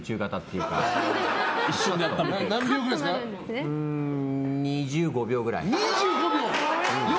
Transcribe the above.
うーん２５秒ぐらい。